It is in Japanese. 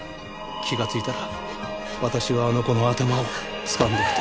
気がついたら私はあの子の頭をつかんでいた。